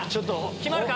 決まるか？